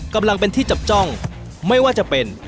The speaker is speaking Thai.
กำลังเป็นที่จับจ้องไม่ว่าจะเป็น